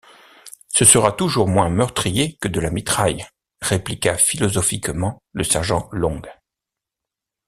Ce sera toujours moins meurtrier que de la mitraille! répliqua philosophiquement le sergent Long.